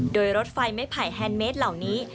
โดยรถไฟไม้ไผ่แฮนดเมสเหล่านี้